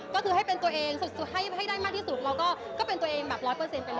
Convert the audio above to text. ก็คือให้เป็นตัวเองให้ได้มั่นที่สุดเราก็เป็นตัวเองแบบร้อยเปอร์เซ็นต์ไปเลย